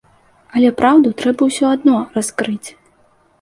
Але праўду трэба ўсё адно раскрыць.